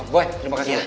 boy terima kasih ya